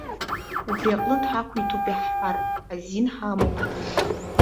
Убри аҟнытә ҳақәиҭуп иаҳҳәар, азин ҳамоуп.